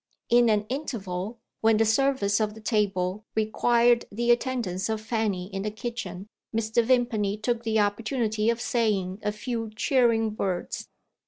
In an interval, when the service of the table required the attendance of Fanny in the kitchen, Mr. Vimpany took the opportunity of saying a few cheering words.